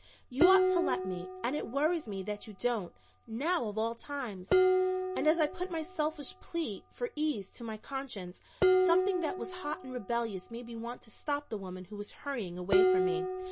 You ought to let me, and it worries me that you don't, now of all times," and as I put my selfish plea for ease to my conscience, something that was hot and rebellious made me want to stop the woman who was hurrying away from me.